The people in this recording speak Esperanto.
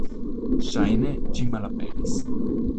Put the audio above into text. Ŝajne ĝi malaperis.